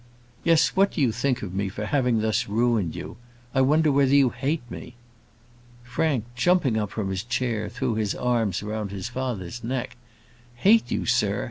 "Yes; what do you think of me, for having thus ruined you. I wonder whether you hate me?" Frank, jumping up from his chair, threw his arms round his father's neck. "Hate you, sir?